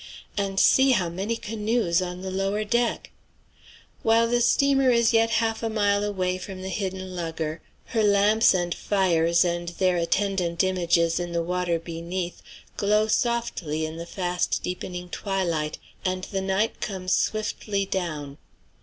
And see how many canoes on the lower deck! While the steamer is yet half a mile away from the hidden lugger, her lamps and fires and their attendant images in the water beneath glow softly in the fast deepening twilight, and the night comes swiftly down.